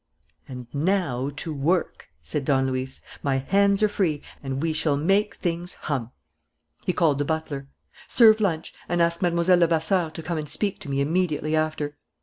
"And now to work!" said Don Luis. "My hands are free, and we shall make things hum." He called the butler. "Serve lunch; and ask Mlle. Levasseur to come and speak to me immediately after."